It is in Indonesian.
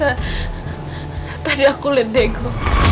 maaf tadi aku lihat diego